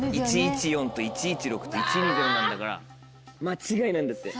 １１４と１１６と１２０なんだから間違いないんだって。